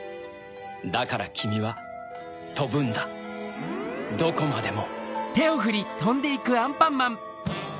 だからきみはとぶんだどこまでも。